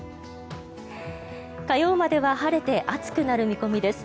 火曜までは晴れて暑くなる見込みです。